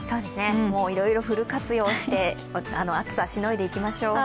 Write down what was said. いろいろフル活用して、暑さをしのいでいきましょう。